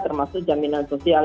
termasuk jaminan sosial